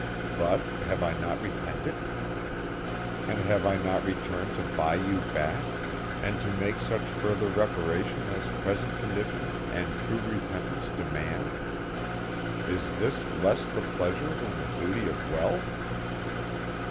But have I not repented? And have I not returned to buy you back, and to make such further reparation as present conditions and true repentance demand? Is this less the pleasure than the duty of wealth?